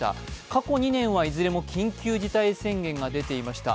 過去２年はいずれも緊急事態宣言が出ていました。